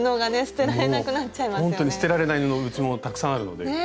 ほんと捨てられない布うちもたくさんあるので。ね！